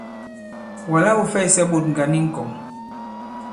Wàla wū fɛysɛ ɓôt ŋgǎn i ŋ̀kɔ̀ŋ.